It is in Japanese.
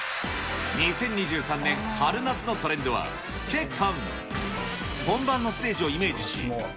２０２３年春夏のトレンドは透け感。